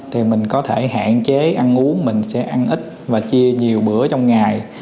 thì mình có thể hạn chế ăn uống mình sẽ ăn ít và chia nhiều bữa trong ngày